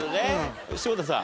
柴田さん。